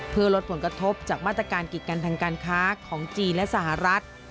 เพื่อลดผลกระทบจากมาตรการกิจกันทางการค้าของจีนและสหรัฐ